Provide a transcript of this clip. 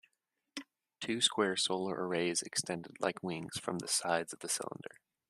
Two square solar arrays extended like wings from the sides of the cylinder.